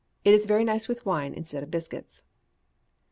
It is very nice with wine instead of biscuits.